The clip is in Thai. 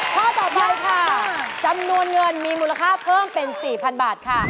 ข้อต่อไปค่ะจำนวนเงินมีมูลค่าเพิ่มเป็น๔๐๐๐บาทค่ะ